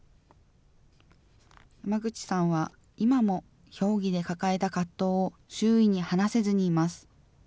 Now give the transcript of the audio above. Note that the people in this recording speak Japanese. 山口さんは今も、評議で抱えた葛藤を周囲に話せずにいます。